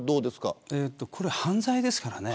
これは犯罪ですからね。